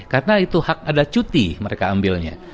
karena itu hak ada cuti mereka ambilnya